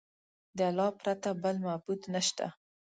د الله پرته بل معبود نشته.